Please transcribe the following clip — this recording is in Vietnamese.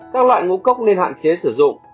các loại ngũ cốc nên hạn chế sử dụng